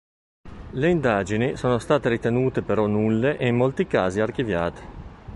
Le indagini sono state ritenute però nulle e in molti casi archiviate.